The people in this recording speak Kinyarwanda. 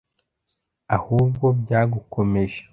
ahubwo byagukomeje